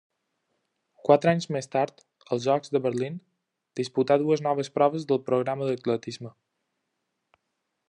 Quatre anys més tard, als Jocs de Berlín, disputà dues noves proves del programa d'atletisme.